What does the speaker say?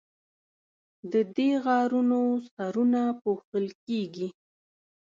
د دې غارونو سرونه پوښل کیږي.